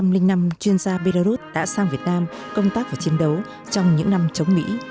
tám trăm linh linh năm chuyên gia belarus đã sang việt nam công tác và chiến đấu trong những năm chống mỹ